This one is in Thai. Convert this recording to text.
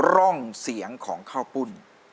ร่องเสียงของข้าวปุ้น